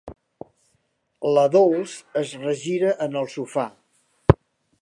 La Dols es regira en el sofà.